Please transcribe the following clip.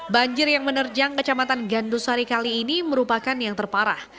banjir yang menerjang kecamatan gandusari kali ini merupakan yang terparah